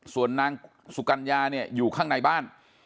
ส่วนนางสุกัญญาเนี่ยอยู่ข้างในบ้าน